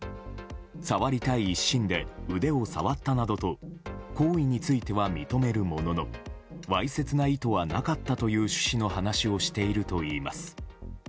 触りたい一心で腕を触ったなどと行為については認めるもののわいせつな意図はなかったという趣旨の話をしているといいます。